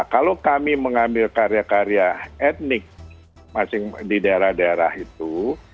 kalau kami mengambil karya karya etnik di daerah daerah itu